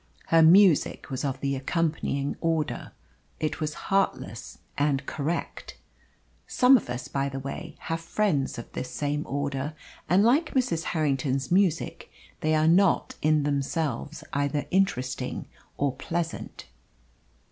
Her music was of the accompanying order. It was heartless and correct. Some of us, by the way, have friends of this same order, and, like Mrs. Harrington's music, they are not in themselves either interesting or pleasant.